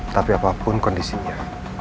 tapi apapun kondisinya